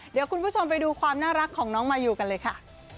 เดี๋ยวคุณผู้ชมไปดูความน่ารักของน้องมายูกันเลยค่ะ